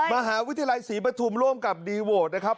มหาวิทยาลัยศรีปฐุมร่วมกับดีโหวตนะครับ